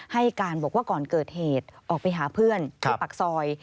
ให้การบอกว่าก่อนเกิดเหตุออกไปหาเพื่อนที่ปากซอย